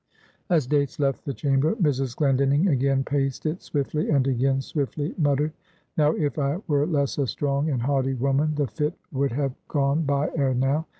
As Dates left the chamber, Mrs. Glendinning again paced it swiftly, and again swiftly muttered: "Now, if I were less a strong and haughty woman, the fit would have gone by ere now.